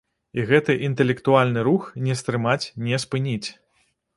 І гэты інтэлектуальны рух не стрымаць, не спыніць.